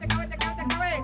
tenang tenang tenang tenang